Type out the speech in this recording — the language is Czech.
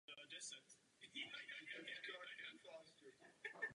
Jižně od města se nachází pískovcové útesy.